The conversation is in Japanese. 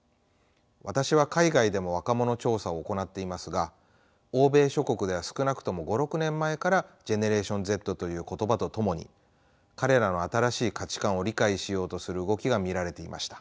私は海外でも若者調査を行っていますが欧米諸国では少なくとも５６年前からＧｅｎｅｒａｔｉｏｎＺという言葉とともに彼らの新しい価値観を理解しようとする動きが見られていました。